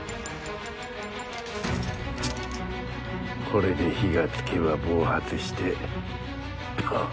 これで火がつけば暴発してバーン。